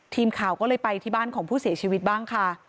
ทีมข่าวก็เลยไปที่บ้านของผู้เสียชีวิตบ้างค่ะ